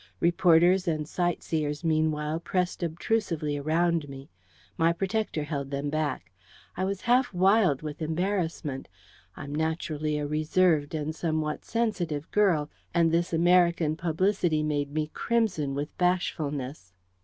Reporters and sightseers, meanwhile, pressed obtrusively around me. My protector held them back. I was half wild with embarrassment. I'm naturally a reserved and somewhat sensitive girl, and this American publicity made me crimson with bashfulness.